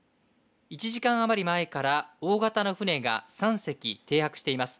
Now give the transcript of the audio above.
１時間余り前から大型の船が３隻停泊しています。